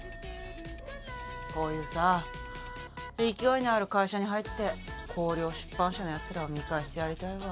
こういうさ勢いのある会社に入って光陵出版社のやつらを見返してやりたいわ。